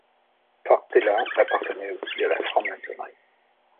Portela appartenait aussi à la franc-maçonnerie.